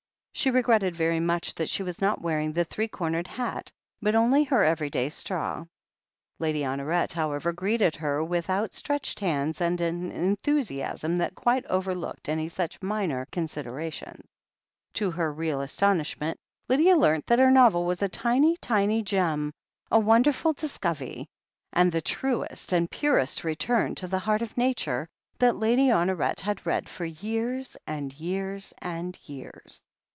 She regretted very much that she was not wearing the three cornered hat, but only her every day straw. Lady Honoret, however, greeted her with out stretched hands and an enthusiasm that quite over looked any such minor considerations. To her real astonishment, Lydia learnt that her novel was a tiny, tiny gem, a wonderful discovery, and the truest and THE HEEL OF ACHILLES 233 purest return to the heart of Nature that Lady Hon oret had read for years and years and years.